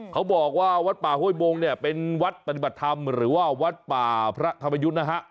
เขาบอกว่าวัดป่าห้วยบงเนี่ยเป็นวัดปฏิบัติธรรมหรือว่าวัดป่าพระธรรมยุทธ์นะฮะ